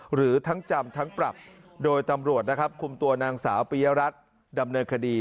หรือทั้งจำทั้งปรับโดยตำรวจนะครับคุมตัวนางสาวปียรัฐดำเนินคดี